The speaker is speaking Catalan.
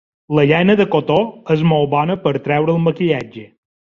La llana de cotó és molt bona per treure el maquillatge